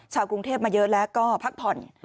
กรุงเทพมาเยอะแล้วก็พักผ่อน